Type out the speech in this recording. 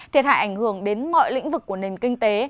thiệt hại ảnh hưởng đến mọi lĩnh vực của nền kinh tế